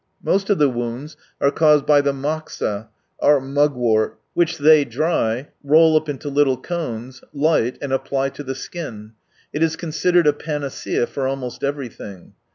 Most of the wounds are caused by the " moxa " (our mugwort) which they dry, roll up into litl!e cones, light, and apply to the skin. It is considered a panacea for almost everything.